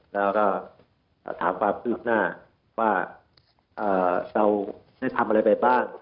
แล้วก็ถามความคืบหน้าว่าเราได้ทำอะไรไปบ้าง